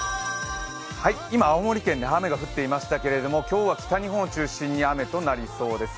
今、青森県で雨が降っていましたけど今日は北日本を中心に雨となりそうです。